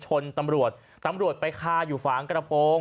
ชนตำรวจตำรวจไปคาอยู่ฝากระโปรง